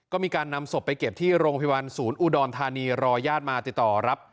ก็มีการนำศพไปเก็บที่โรงพยาบาลศูนย์อุดรธานีรอญาติมาติดต่อรับ